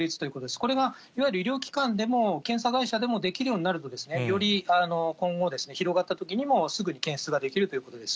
これが、いわゆる医療機関でも検査会社でもできるようになるとですね、より今後、広がったときにもすぐに検出ができるということです。